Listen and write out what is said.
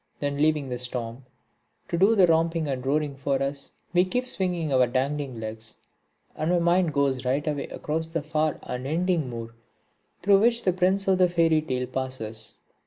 Then leaving the storm to do the romping and roaring for us, we keep swinging our dangling legs; and my mind goes right away across the far off unending moor through which the Prince of the fairy tale passes.